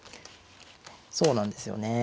そうなんですよね。